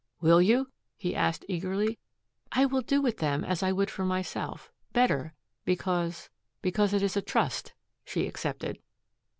"Will you?" he asked eagerly. "I will do with them as I would for myself, better, because because it is a trust," she accepted.